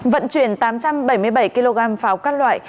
vận chuyển tám trăm bảy mươi bảy kg pháo các loại